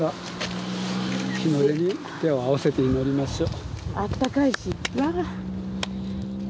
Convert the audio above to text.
日の出に手を合わせて祈りましょう。